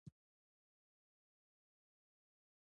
بیا رغونه په افغانستان کې څومره شوې؟